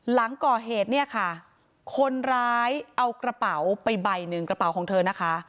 หลังก่อเหตุเนี่ยค่ะคนร้ายเอากระเป๋าไปใบหนึ่งกระเป๋าของเธอนะคะ